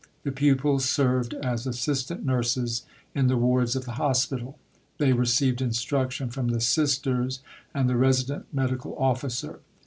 The pupils served as assistant nurses in the wards of the Hospital. They received instruction from the Sisters and the Resident Medical officer.